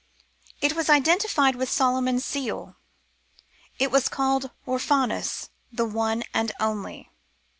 It was identi fied with Solomon's seal ; it was called Orphanus, the One and Only.